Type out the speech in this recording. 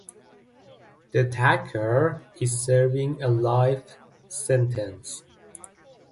The attacker is serving a life sentence.